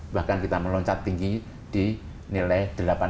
bahkan kita meloncat tinggi di nilai delapan puluh tiga puluh empat